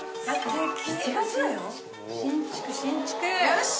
よし！